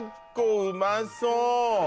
うまそう